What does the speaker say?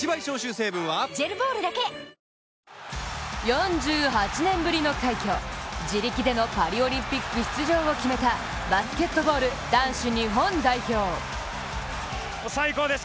４８年ぶりの快挙自力でのパリオリンピック出場を決めたバスケットボール男子日本代表。